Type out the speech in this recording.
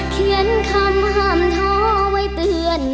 เขียนคำห้ามท้อไว้เตือน